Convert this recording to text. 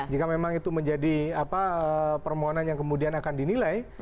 jika memang itu menjadi permohonan yang kemudian akan dinilai